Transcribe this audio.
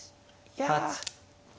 いや。